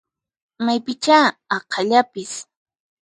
Maypichá aqhallapis!